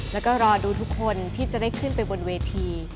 แล้วก็รอดูทุกคนที่จะได้ขึ้นไปบนเวที